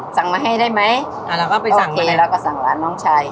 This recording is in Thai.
สั่งมาให้ได้ไหมอ่าเราก็ไปสั่งมาเลยเราก็สั่งร้านน้องชาย